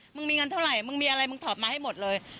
มึงมีเงินเท่าไหร่มึงมีอะไรมึงถอดมาให้หมดเลย